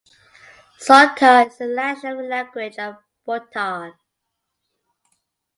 Dzongkha is the national language of Bhutan.